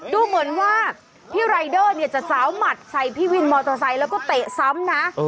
ดูเหมือนว่าพี่รายเดอร์เนี่ยจะสาวหมัดใส่พี่วินมอเตอร์ไซค์แล้วก็เตะซ้ำนะ